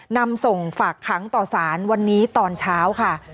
นำส่งฝากขังต่อสารวันนี้ตอนเช้าค่ะ